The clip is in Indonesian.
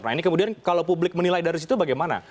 jadi bagaimana kalau publik menilai dari situ bagaimana